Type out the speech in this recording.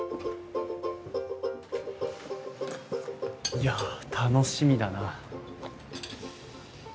いや楽しみだな。